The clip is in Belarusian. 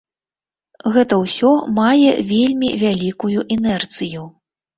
Гэта ўсё мае вельмі вялікую інерцыю.